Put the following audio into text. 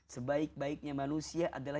sebaik baiknya manusia adalah